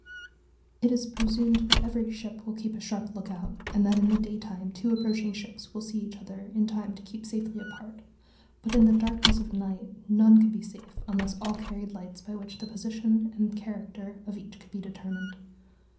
It is presumed that every ship will keep a sharp lookout, and that in the daytime two approaching ships will see each other in time to keep safely apart; but in the darkness of night none could be safe unless all carried lights by which the position and character of each could be determined.